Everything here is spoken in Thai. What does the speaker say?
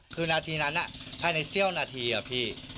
คือนาทีนั้นภายในเสี้ยวนาทีอะพี่